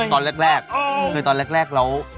ตั้งแต่เจอหน้าแล้วแหละ